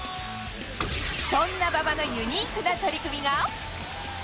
そんな馬場のユニークな取り組みが。